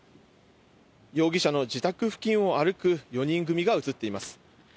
容疑者の自宅付近を歩く４人組が映っています。